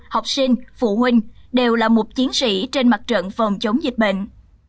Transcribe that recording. học sinh phụ huynh đều là một chiến sĩ trên mặt trận phòng chống dịch bệnh